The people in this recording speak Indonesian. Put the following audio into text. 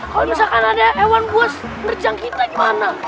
kan ada hewan buas nerjang kita gimana